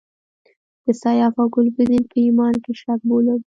د سیاف او ګلبدین په ایمان کې شک بولم.